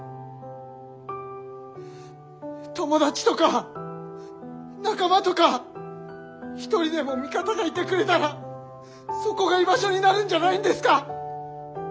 友達とか仲間とか一人でも味方がいてくれたらそこが居場所になるんじゃないんですか。